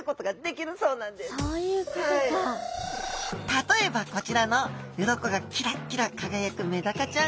例えばこちらのうろこがキラッキラ輝くメダカちゃん。